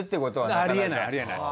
ありえないありえない。